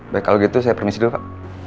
baik kalau gitu saya permisi dulu pak